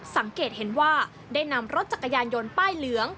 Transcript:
สังเกตเห็นว่าได้นำรถจักรยานยนต์ป้ายเหลือง